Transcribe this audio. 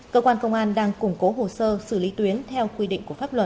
cơ quan công an đang củng cố hồ sơ xử lý tuyến theo quy định của pháp luật